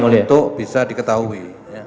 untuk bisa diketahui